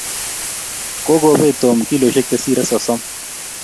Kokobet Tom kiloisiek chesirei sosom